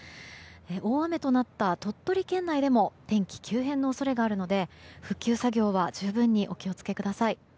大雨となった鳥取県内でも天気急変の恐れがあるので復旧作業は十分にお気を付けください。